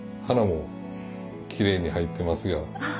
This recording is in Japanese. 花もきれいに入ってますよ。